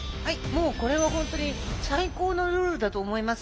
もうこれはホントに最高のルールだと思います。